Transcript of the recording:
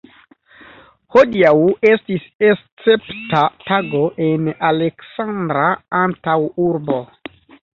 Hodiaŭ estis escepta tago en Aleksandra antaŭurbo.